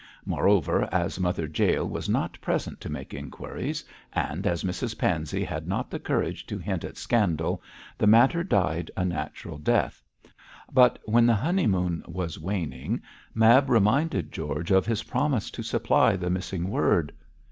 Moreover, as Mother Jael was not present to make inquiries, and as Mrs Pansey had not the courage to hint at scandal, the matter died a natural death. But when the honeymoon was waning, Mab reminded George of his promise to supply the missing word.